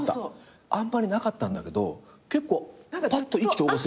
あんまりなかったんだけど結構ぱっと意気投合する。